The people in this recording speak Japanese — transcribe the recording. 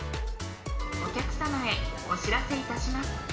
お客様へお知らせいたします。